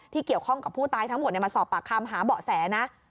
เกี่ยวข้องกับผู้ตายทั้งหมดมาสอบปากคำหาเบาะแสนะ